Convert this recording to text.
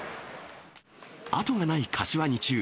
後がない柏二中。